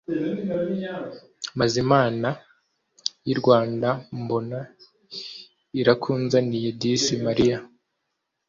maze imana y’i rwanda mbona irakunzaniye disi mariya